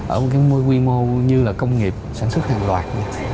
ở một cái quy mô như là công nghiệp sản xuất hàng loạt